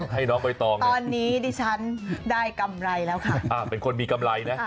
หวังตรงนี้พ่อค่ะสวัสดีครับ